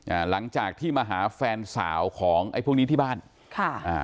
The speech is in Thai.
อ่าหลังจากที่มาหาแฟนสาวของไอ้พวกนี้ที่บ้านค่ะอ่า